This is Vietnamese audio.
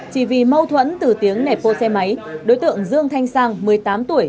chỉ vì mâu thuẫn từ tiếng nẻp ô xe máy đối tượng dương thanh sang một mươi tám tuổi